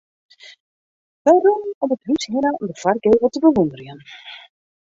Wy rûnen om it hús hinne om de foargevel te bewûnderjen.